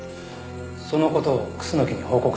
その事を楠木に報告したのか？